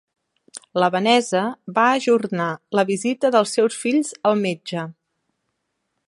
La Vanessa va ajornar la visita dels seus fills al metge.